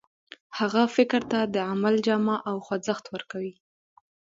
هغه فکر ته د عمل جامه او خوځښت ورکوي.